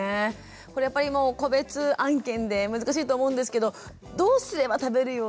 これやっぱりもう個別案件で難しいと思うんですけどどうすれば食べるように食べてもらうことに近づけますかね？